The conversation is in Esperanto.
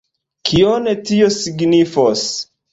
Kion tio signifos?